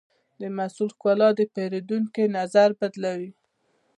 د محصول ښکلا د پیرودونکي نظر بدلونوي.